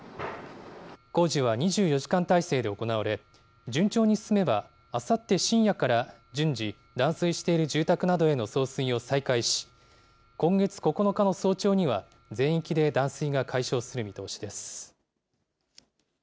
工事は２４時間態勢で行われ、順調に進めば、あさって深夜から順次、断水している住宅などへの送水を再開し、今月９日の早朝には、全域で断水が解消する見通しです。